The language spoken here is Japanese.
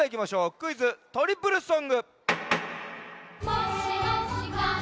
クイズ・トリプルソング！